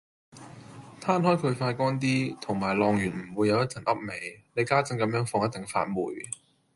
攤開佢快乾啲，同埋晾完唔會有一陣噏味，你家陣咁樣放一定發霉